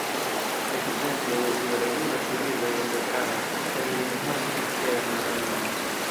Ekzemploj de tiu regulo ĉe birdoj estas raraj, ĉar ili ne havas eksterajn orelojn.